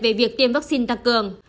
về việc tiêm vaccine tăng cường